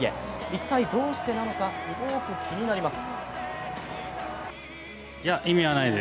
一体どうしてなのか、すごく気になります。